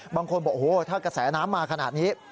บางคนบอกโอ้โหถ้ากระแสน้ำมาขนาดนี้